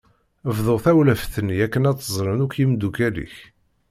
Bḍu tawlaft-nni akken ad tt-ẓren akk yemdukal-ik.